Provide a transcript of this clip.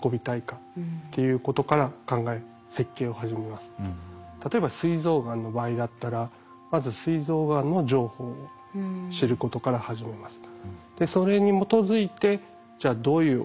まず我々は例えばすい臓がんの場合だったらまずすい臓がんの情報を知ることから始めます。